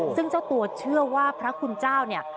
ซึ่งเจ้าตัวเชื่อว่าพระคุณเจ้าเนี่ย